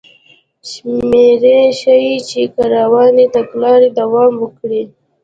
شمېرې ښيي چې که روانې تګلارې دوام وکړي